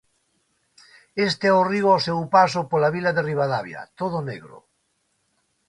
Este é o río ao seu paso pola vila de Ribadavia, todo negro.